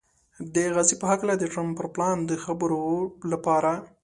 د غزې په هکله د ټرمپ پر پلان د خبرو لپاره